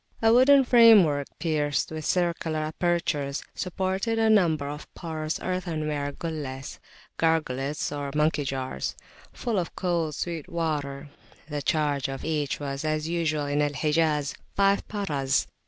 A wooden framework, pierced with circular apertures, supported a number of porous earthenware gullehs (gargoulettes, or monkey jars) full of cold, sweet water; the charge for each was, as usual in Al Hijaz, five paras.